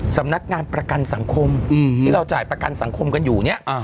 สำนักงานประกันสังคมที่เราจ่ายประกันสังคมกันอยู่เนี่ย